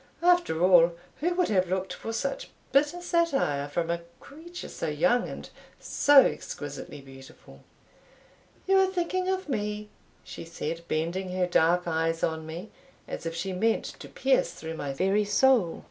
After all, who would have looked for such bitter satire from a creature so young, and so exquisitely beautiful?" "You are thinking of me," she said, bending her dark eyes on me, as if she meant to pierce through my very soul.